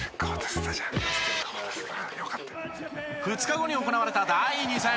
２日後に行われた第２戦。